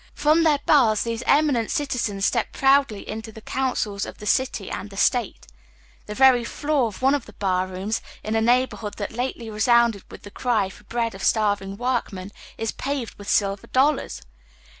From their bars these eminent citizens stepped proudly into the councils of the city and the State. ■The very floor of one of the bar rooms, in a neighborhood that lately resounded with the cry for bread of starving workmen, is paved with silver dollars